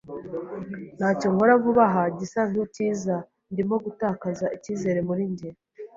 Ntacyo nkora vuba aha gisa nkicyiza. Ndimo gutakaza icyizere muri njye.